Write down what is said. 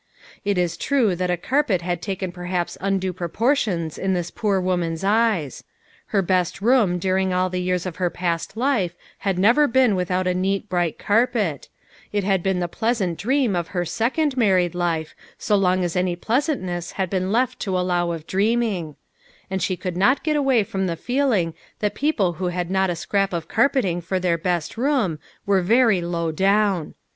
It is true that a carpet had taken perhaps undue proportions in this poor woman's eyes. Her best room during all the years of her past life had never been without a neat bright carpet; it had been the pleasant dream of her second married life, so long as any pleasantness had been left to allow of dreaming ; and she could not get away from the feeling that people who had not a scrap of carpeting for their best room, were very low down.